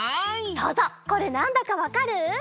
そうぞうこれなんだかわかる？